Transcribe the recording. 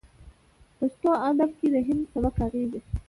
پښتو ادب کې د هندي سبک اغېزې